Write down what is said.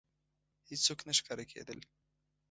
هېڅوک نه ښکاره کېدل.